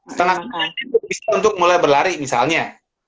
setengah sembilan itu bisa untuk mulai berlari misalnya